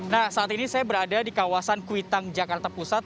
nah saat ini saya berada di kawasan kuitang jakarta pusat